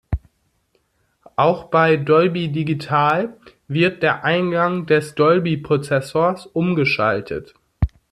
Auch bei Dolby Digital wird der Eingang des Dolby-Prozessors umgeschaltet.